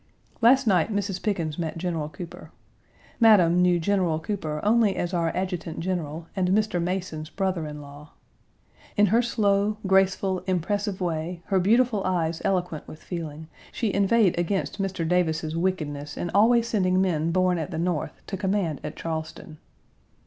Last night, Mrs. Pickens met General Cooper. Madam knew General Cooper only as our adjutant general, and Mr. Mason's brother in law. In her slow, graceful, impressive Page 150 way, her beautiful eyes eloquent with feeling, she inveighed against Mr. Davis's wickedness in always sending men born at the North to command at Charleston.